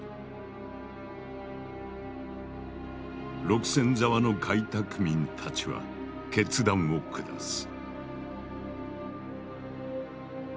六線沢の開拓民たちは決断を下す。